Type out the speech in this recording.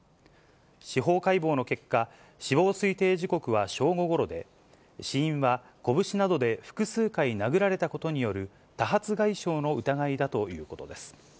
司法解剖の結果、死亡推定時刻は正午ごろで、死因は拳などで複数回殴られたことによる、多発外傷の疑いだということです。